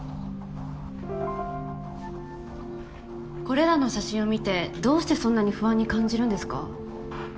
これらの写真を見てどうしてそんなに不安に感じるんですか？